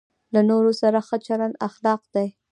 له نورو سره ښه چلند اخلاق دی.